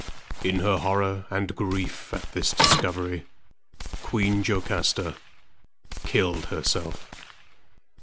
In her horror and grief at this discovery, Queen Jocasta killed herself.